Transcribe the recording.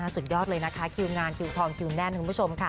สุดยอดเลยนะคะคิวงานคิวทองคิวแน่นคุณผู้ชมค่ะ